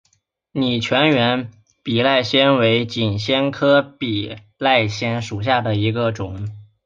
拟全缘比赖藓为锦藓科比赖藓属下的一个种。